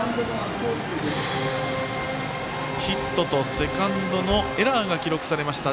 ヒットとセカンドのエラーが記録されました。